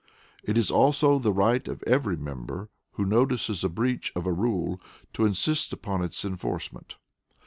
It is also the right of every member, who notices a breach of a rule to insist upon its enforcement.